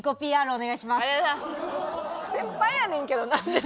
お願いします。